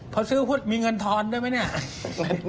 พอซื้อปุ๊บมีเงินทอนด้วยไหมเนี่ย